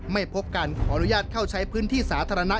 ไม่พบการขออนุญาตเข้าใช้พื้นที่สาธารณะ